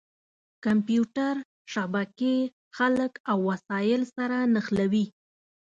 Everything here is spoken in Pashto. کمپیوټر شبکې خلک او وسایل سره نښلوي.